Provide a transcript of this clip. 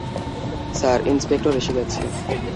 Sir, inspector এসে গেছে।